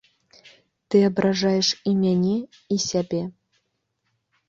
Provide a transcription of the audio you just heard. Ты абражаеш і мяне і сябе.